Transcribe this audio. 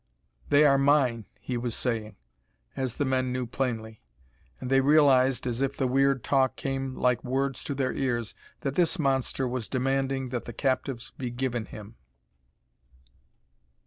"They are mine," he was saying, as the men knew plainly. And they realized as if the weird talk came like words to their ears that this monster was demanding that the captives be given him.